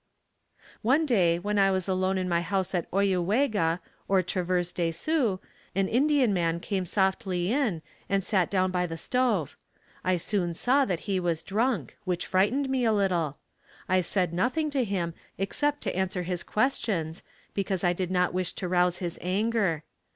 One day when I was alone in my house at Oiyuwega or Traverse de Sioux an Indian man came softly in and sat down by the stove. I soon saw that he was drunk, which frightened me a little. I said nothing to him except to answer his questions because I did not wish to rouse his anger.